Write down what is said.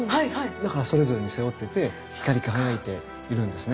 だからそれぞれに背負ってて光り輝いているんですね。